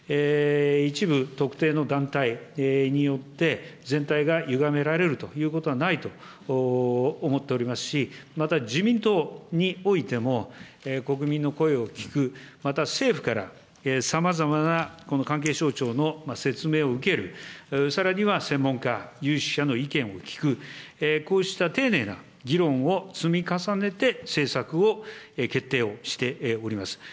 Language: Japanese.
一部特定の団体によって、全体がゆがめられるということはないと思っておりますし、また、自民党においても、国民の声を聞く、また、政府からさまざまなこの関係省庁の説明を受ける、さらには専門家、有識者の意見を聞く、こうした丁寧な議論を積み重ねて、政策を決定をしております。